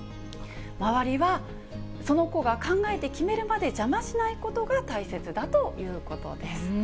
周りはその子が考えて決めるまで邪魔しないことが大切だということです。